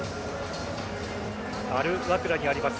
アルワクラにあります